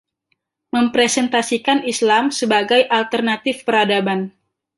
Mempresentasikan Islam sebagai alternatif peradaban.